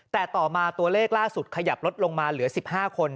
แต่ต่อมาตัวเลขล่าสุดขยับลดลงมาเหลือ๑๕คน